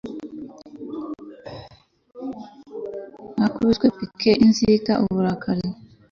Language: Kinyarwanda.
Nakubiswe piqued inzika uburakari